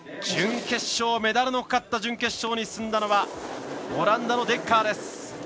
メダルのかかった準決勝に進んだのはオランダのデッカーです。